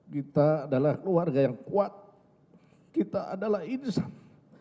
kita adalah keluarga yang kuat kita adalah insan